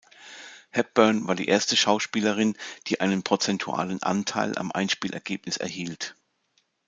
Hepburn war die erste Schauspielerin, die einen prozentualen Anteil am Einspielergebnis erhielt.